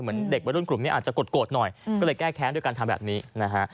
เหมือนเด็กวัยรุ่นกลุ่มนี้อาจจะโกรธหน่อยก็เลยแก้แค้นด้วยการทำแบบนี้นะฮะ